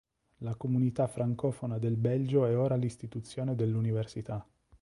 La Comunità francofona del Belgio è ora l'istituzione dell'università.